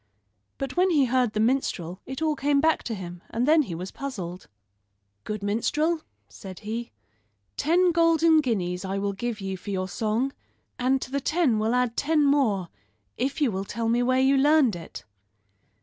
But when he heard the minstrel it all came back to him; and then he was puzzled. "Good minstrel," said he, "ten golden guineas I will give you for your song, and to the ten will add ten more if you will tell me where you learned it."